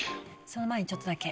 その前にちょっとだけ。